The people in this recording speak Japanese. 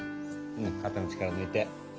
うん肩の力ぬいて。